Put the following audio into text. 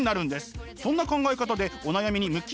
そんな考え方でお悩みに向き合うと。